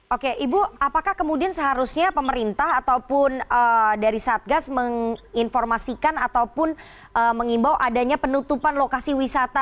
oke ibu apakah kemudian seharusnya pemerintah ataupun dari satgas menginformasikan ataupun mengimbau adanya penutupan lokasi wisata